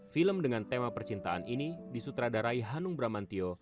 film dengan tema percintaan ini disutradarai hanung bramantio